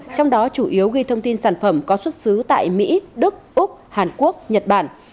trong đó chủ yếu ghi thông tin sản phẩm có xuất xứ tại mỹ đức úc hàn quốc nhật bản